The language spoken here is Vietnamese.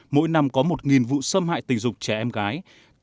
mỗi năm có một vụ xâm hại tình dục trẻ em gái